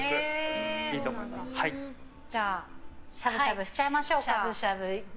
じゃあ、しゃぶしゃぶしちゃいましょうか。